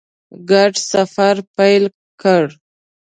ګډ سفر پیل کړ.